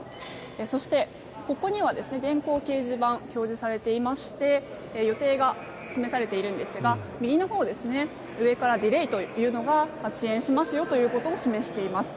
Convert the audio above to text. そして、ここには電光掲示板が表示されていまして予定が示されているんですが右のほう、上からディレーというのが遅延しますよということを示しています。